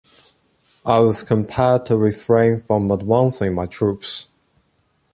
I was compelled to refrain from advancing my troops.